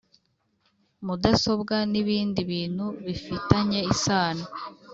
Mudasobwa n ibindi bintu bifitanye isano